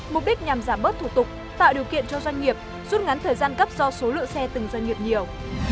mục đích nhằm giảm bớt thủ tục tạo điều kiện cho doanh nghiệp rút ngắn thời gian cấp do số lượng xe từng doanh nghiệp nhiều